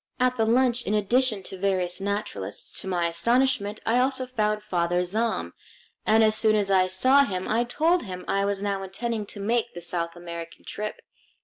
At the lunch, in addition to various naturalists, to my astonishment I also found Father Zahm; and as soon as I saw him I told him I was now intending to make the South American trip.